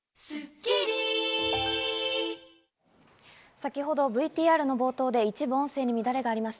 先ほどＶＴＲの冒頭で一部音声に乱れがありました。